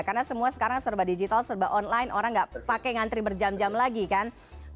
karena semua sekarang serba digital serba online orang nggak pakai ngantri berjam jam lagi kan